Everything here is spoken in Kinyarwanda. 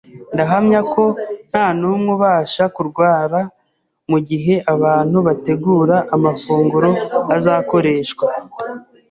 Ndahamya ko nta n’umwe ubasha kurwara mu gihe abantu bategura amafunguro azakoreshwa